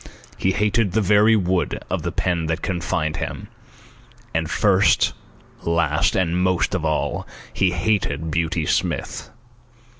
He hated the very wood of the pen that confined him. And, first, last, and most of all, he hated Beauty Smith.